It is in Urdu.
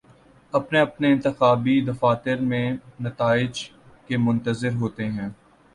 اپنے اپنے انتخابی دفاتر میں نتائج کے منتظر ہوتے ہیں